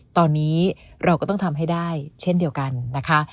ตอนนี้เราก็ต้องทำให้ได้เช่นเดียวกันนะคะ